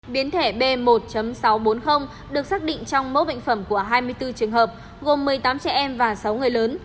biến thể b một sáu trăm bốn mươi được xác định trong mẫu bệnh phẩm của hai mươi bốn trường hợp gồm một mươi tám trẻ em và sáu người lớn